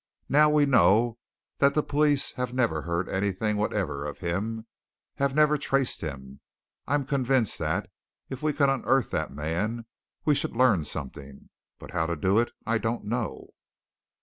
Now we know that the police have never heard anything whatever of him, have never traced him. I'm convinced that if we could unearth that man we should learn something. But how to do it, I don't know."